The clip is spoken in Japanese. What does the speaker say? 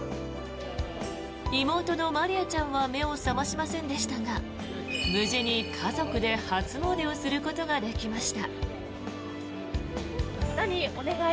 妹の茉吏杏ちゃんは目を覚ましませんでしたが無事に家族で初詣をすることができました。